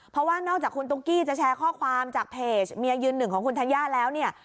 เพราะว่านอกจากคุณตุ๊กกี้จะแชร์ข้อความจากเพจเมียยืนหนึ่งของคุณธัญญาแล้วเนี่ย